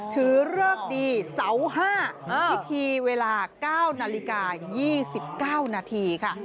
เริกดีเสา๕พิธีเวลา๙นาฬิกา๒๙นาทีค่ะ